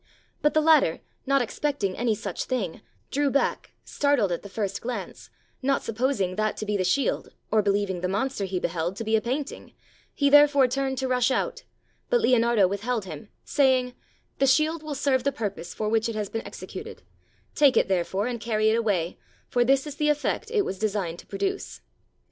But the latter, not expecting any such thing, drew back, startled at the first glance, not supposing that to be the shield, or be Heving the monster he beheld to be a painting, he there 84 STORIES OF LEONARDO DA VINCI fore turned to rush out; but Leonardo withheld him, say ing: The shield will serve the purpose for which it has been executed, take it therefore and carry it away, for this is the effect it was designed to produce.